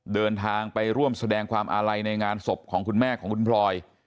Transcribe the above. เดินทางไปร่วมแสดงความอาลัยในงานศพของคุณแม่ของคุณพลอย